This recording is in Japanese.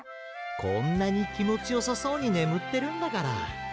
こんなにきもちよさそうにねむってるんだから。